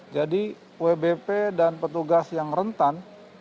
jadi wbp dan petugas yang rentan